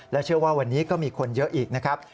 เชื่อว่าวันนี้ก็มีคนเยอะอีกนะครับ